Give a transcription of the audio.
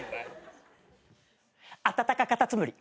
あたたかカタツムリ。